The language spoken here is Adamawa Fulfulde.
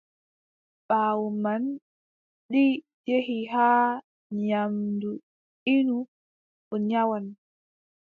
Ɓaawo man, ɗi njehi haa nyaamdu innu, o nyawan.